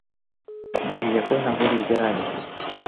Дык з якой нагоды збіраліся?